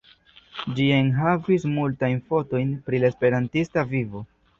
Ĝi enhavis multajn fotojn pri la Esperantista vivo.